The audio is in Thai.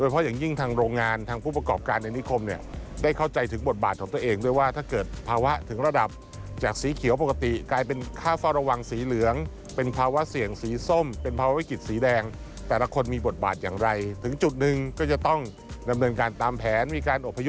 เป็นการแก้ไขปัญหาเฉพาะหน้ากรณีถูกเจิญ